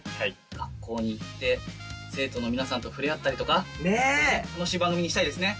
学校に行って生徒の皆さんと触れ合ったりとか楽しい番組にしたいですね。